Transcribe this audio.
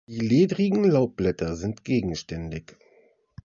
Die ledrigen Laubblätter sind gegenständig.